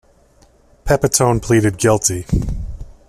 Pepitone pleaded guilty.